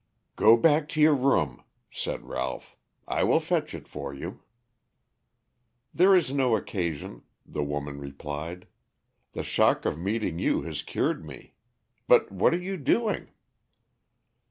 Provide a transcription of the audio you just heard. "Go back to your room," said Ralph. "I will fetch it for you." "There is no occasion," the woman replied. "The shock of meeting you has cured me. But what are you doing?"